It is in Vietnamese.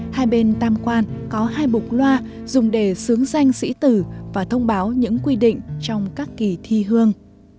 hai bên tam quan có hai bục loa dùng để xướng danh sĩ tử và thông báo những quy định trong các kỳ thi hương